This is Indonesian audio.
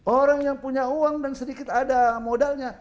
orang yang punya uang dan sedikit ada modalnya